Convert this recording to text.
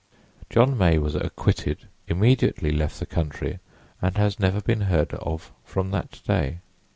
John May was acquitted, immediately left the country, and has never been heard of from that day.